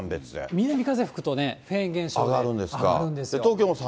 南風が吹くと、フェーン現象で上がるんですよ。